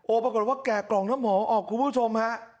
ปรากฏว่าแกะกล่องน้ำหอมออกคุณผู้ชมฮะ